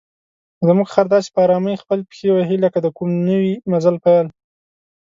زموږ خر داسې په آرامۍ خپلې پښې وهي لکه د کوم نوي مزل پیل.